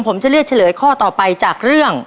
ผมจะเลือกเฉลยข้อต่อไปจากเรื่อง